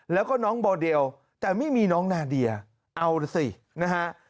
แล้วก็น้องโมเดลแต่ไม่มีน้องนาเดียเอาล่ะสินะฮะ